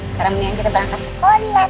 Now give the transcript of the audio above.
sekarang mendingan kita berangkat sekolah